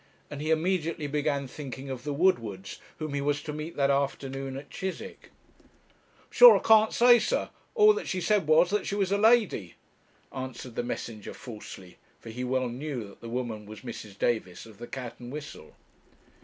and he immediately began thinking of the Woodwards, whom he was to meet that afternoon at Chiswick. 'I'm sure I can't say, sir: all that she said was that she was a lady,' answered the messenger, falsely, for he well knew that the woman was Mrs. Davis, of the 'Cat and Whistle.'